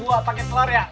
gue pake selar ya